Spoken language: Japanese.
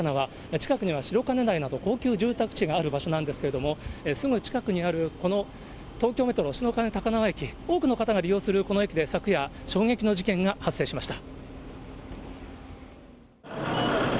近くには白金台など、高級住宅地がある場所なんですけれども、すぐ近くにあるこの東京メトロ白金高輪駅、多くの方が利用するこの駅で昨夜、衝撃の事件が発生しました。